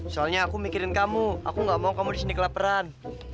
soalnya aku mikirin kamu aku nggak mau kamu di sini kelaparan